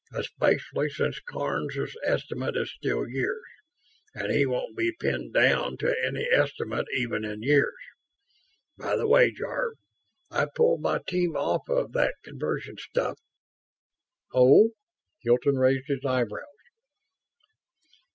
"Especially since Karns's estimate is still years, and he won't be pinned down to any estimate even in years. By the way, Jarve, I've pulled my team off of that conversion stuff." "Oh?" Hilton raised his eyebrows.